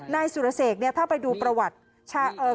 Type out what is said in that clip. นายสุรเศษเนี่ยถ้าไปดูประวัติ